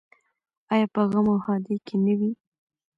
آیا په غم او ښادۍ کې نه وي؟